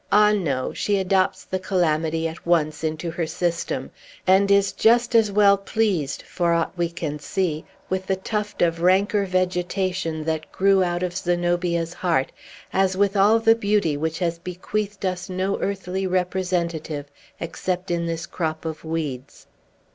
Ah, no! she adopts the calamity at once into her system, and is just as well pleased, for aught we can see, with the tuft of ranker vegetation that grew out of Zenobia's heart, as with all the beauty which has bequeathed us no earthly representative except in this crop of weeds.